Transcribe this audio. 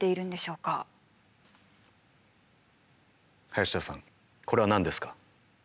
林田さんこれは何ですか？